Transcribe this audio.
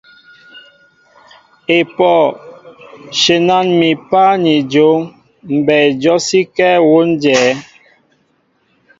Epoh ! shenan mi páá ni jon, mbɛy jɔsíŋkɛɛ wón jɛέ.